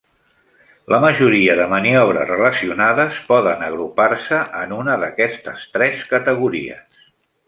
La majoria de maniobres relacionades poden agrupar-se en una d'aquestes tres categories.